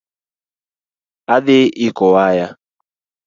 Adi iko wuod waya